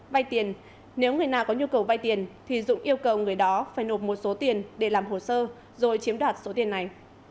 vay tiền nếu người nào có nhu cầu vay tiền thì dũng yêu cầu người đó phải nộp một số tiền để làm hồ sơ rồi chiếm đoạt số tiền này